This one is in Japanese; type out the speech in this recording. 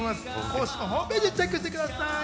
公式ホームページでチェックしてみてください。